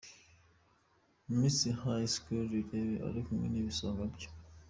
Miss High school Irebe arikumwe n'ibisonga bye.